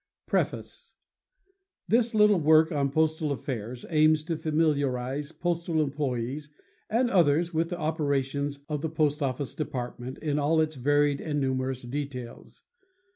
PREFACE This little work on postal affairs aims to familiarize postal employes and others with the operations of the Post Office Department in all its varied and numerous details.